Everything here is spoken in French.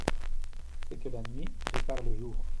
C'est que la nuit répare le jour.